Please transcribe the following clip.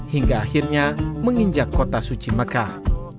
hingga akhirnya menginjak kota suci mekah